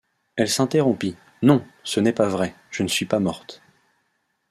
Elle s’interrompit :— Non, ce n’est pas vrai, je ne suis pas morte.